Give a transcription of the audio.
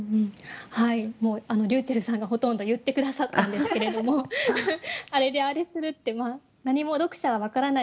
りゅうちぇるさんがほとんど言って下さったんですけれども「あれであれする」って何も読者は分からない